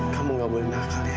kamu gak boleh nakal ya